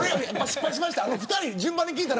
失敗しました。